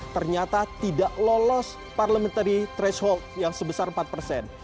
ternyata tidak lolos parliamentary threshold yang sebesar empat persen